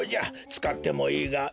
つかってもいいがえい